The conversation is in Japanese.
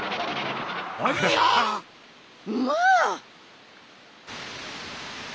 まあ！